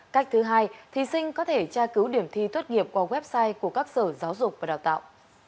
cách thứ hai thí sinh có thể tra cứu điểm thi tốt nghiệp qua website của các sở giáo dục và đào tạo